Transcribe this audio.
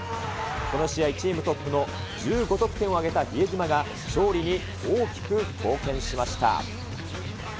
この試合、チームトップの１５得点を挙げた比江島が、勝利に大きく貢献しました。